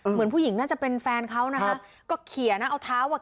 เหมือนผู้หญิงน่าจะเป็นแฟนเขานะคะก็เขียนนะเอาเท้าอ่ะ